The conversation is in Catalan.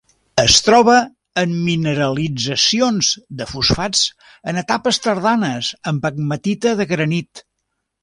Es troba en mineralitzacions de fosfats en etapes tardanes en pegmatita de granit.